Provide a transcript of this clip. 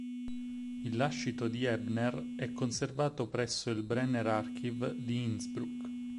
Il lascito di Ebner è conservato presso il Brenner-Archiv di Innsbruck.